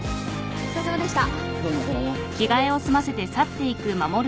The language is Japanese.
お疲れさまでした。